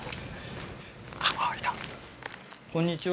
こんにちは。